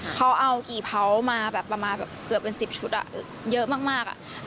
เขาเอากี่เผามาแบบประมาณแบบเกือบเป็น๑๐ชุดเยอะมาก